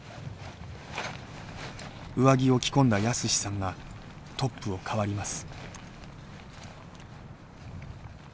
上着を着込んだ泰史さんがトップを代わります。